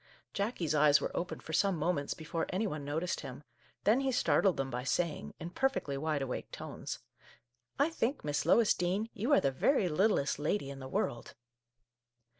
Jackie's eyes were open for some moments before any one noticed him ; then he startled them by saying, in per fectly wide awake tones :" I think, Miss Lois Dean, you are the very littlest lady in the world